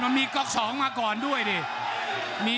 มันมีก๊อก๒มาก่อนด้วยดิ